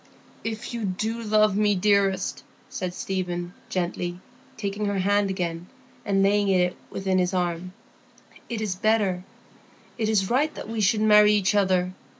"If you do love me, dearest," said Stephen, gently, taking her hand again and laying it within his arm, "it is better—it is right that we should marry each other.